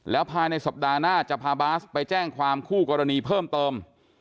แล้วภายในสัปดาห์หน้าจะพาบาสไปแจ้งความคู่กรณีเพิ่มเติม